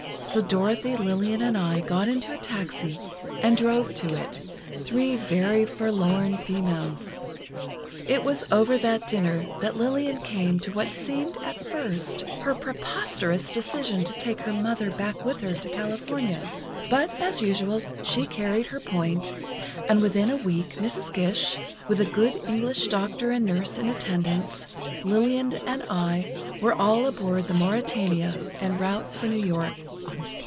So Dorothy, Lillian and I got into a taxi and drove to it, three very forlorn females.... It was over that dinner that Lillian came to what seemed at first her preposterous decision to take her mother back with her to California, but as usual, she carried her point, and within a week Mrs. Gish, with a good English doctor and nurse in attendance, Lillian and I, were all aboard the Mauretania en route for New York.